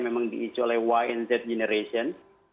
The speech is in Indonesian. memang diicu oleh y and z generation